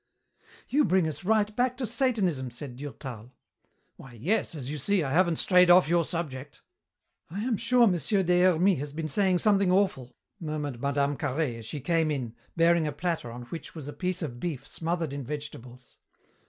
"You bring us right back to Satanism," said Durtal. "Why, yes, as you see, I haven't strayed off your subject." "I am sure Monsieur Des Hermies has been saying something awful," murmured Mme. Carhaix as she came in, bearing a platter on which was a piece of beef smothered in vegetables.